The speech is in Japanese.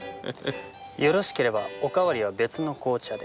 よろしければおかわりは別の紅茶で。